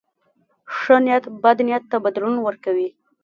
ښه نیت بد نیت ته بدلون ورکوي.